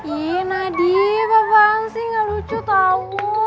ih nadif apaan sih gak lucu tau